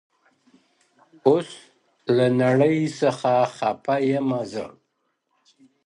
اوس له نړۍ څخه خپه يمه زه؛